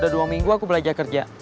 udah dua minggu aku belajar kerja